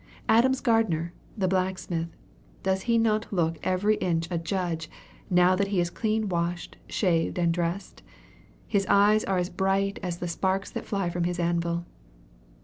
Adams Gardner, the blacksmith, does he not look every inch a judge, now that he is clean washed, shaved, and dressed? His eyes are as bright as the sparks that fly from his anvil!